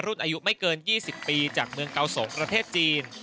รุ่นอายุไม่เกิน๒๐ปีจากเมืองเกาสงประเทศจีน